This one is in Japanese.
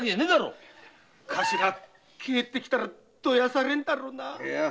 頭帰ってきたらどやされるんだろうなぁ。